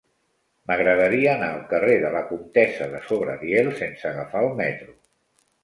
M'agradaria anar al carrer de la Comtessa de Sobradiel sense agafar el metro.